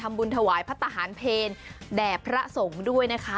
บุญถวายพระทหารเพลแด่พระสงฆ์ด้วยนะคะ